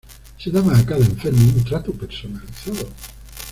Se daba a cada enfermo un trato personalizado.